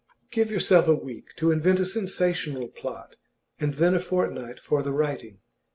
Give yourself a week to invent a sensational plot, and then a fortnight for the writing.